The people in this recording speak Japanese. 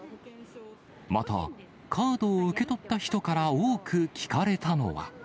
また、カードを受け取った人から多く聞かれたのは。